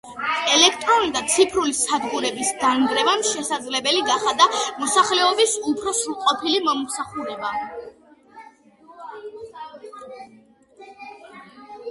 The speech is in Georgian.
ელექტრონული და ციფრული სადგურების დანერგვამ შესაძლებელი გახადა მოსახლეობის უფრი სრულყოფილი მომსახურება.